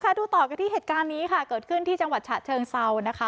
ดูต่อกันที่เหตุการณ์นี้ค่ะเกิดขึ้นที่จังหวัดฉะเชิงเซานะคะ